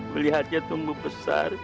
melihatnya tumbuh besar